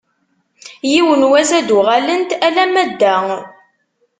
Yiwen n wass ad d-uɣalent alamma d da.